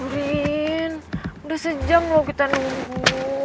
nurin udah sejam kita nunggu